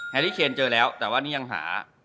รี่เคนเจอแล้วแต่ว่านี่ยังหา